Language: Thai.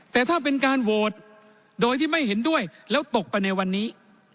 แต่ถ้าเป็นการโหวตโดยที่ไม่เห็นด้วยแล้วตกไปในวันนี้